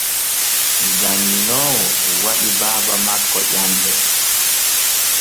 Janŋinoowo waɗi baaba makko ƴanɗe.